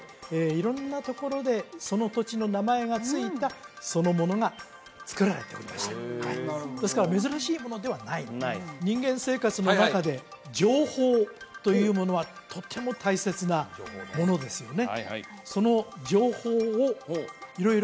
色んなところでその土地の名前がついたそのものが作られておりましたですから珍しいものではない人間生活の中で情報というものはとても大切なものですよね